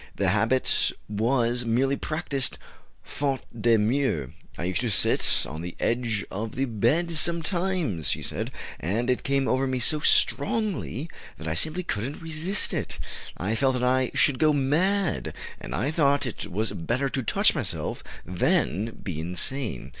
The habit was merely practiced faute de mieux. "I used to sit on the edge of the bed sometimes," she said, "and it came over me so strongly that I simply couldn't resist it. I felt that I should go mad, and I thought it was better to touch myself than be insane....